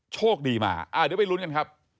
เรียบร้อย